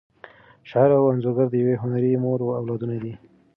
شاعر او انځورګر د یوې هنري مور اولادونه دي.